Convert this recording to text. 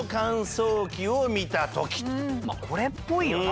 まあこれっぽいよな。